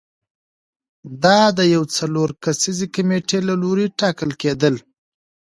دا د یوې څلور کسیزې کمېټې له لوري ټاکل کېدل